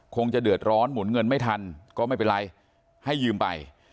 จะเดือดร้อนหมุนเงินไม่ทันก็ไม่เป็นไรให้ยืมไป